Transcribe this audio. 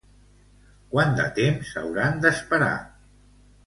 Quant de temps hauran d'esperar?